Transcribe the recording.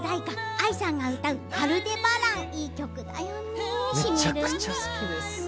ＡＩさんが歌う「アルデバラン」いいですよね。